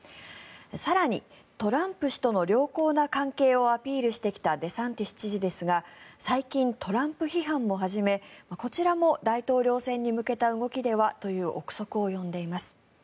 更に、トランプ氏との良好な関係をアピールしてきたデサンティス知事ですが最近、トランプ批判も始めこちらも大統領選に向けた動きではという臆測を呼んでいます。